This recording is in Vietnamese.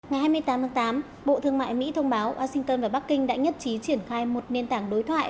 ngày hai mươi tám tháng tám bộ thương mại mỹ thông báo washington và bắc kinh đã nhất trí triển khai một nền tảng đối thoại